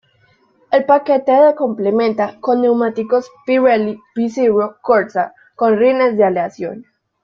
El paquete de complementa con neumáticos Pirelli P Zero Corsa, con rines de aleación.